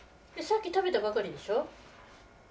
さっき食べたばかりでしょう？